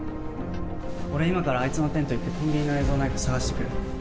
俺今からあいつのテント行ってコンビニの映像ないか探してくる